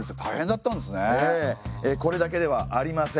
これだけではありません。